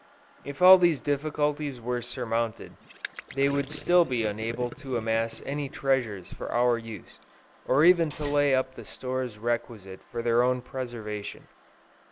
If all these difficulties were surmounted, they would still be unable to amass any treasures for our use, or even to lay up the stores requisite for their own preservation.